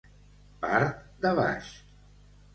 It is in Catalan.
Part de baix.